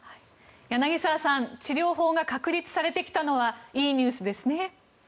柳澤さん治療法が確立されてきたのはいいニュースですね。